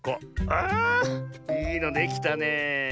あいいのできたねえ。